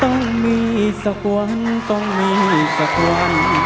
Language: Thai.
ต้องมีสักวันต้องมีสักวัน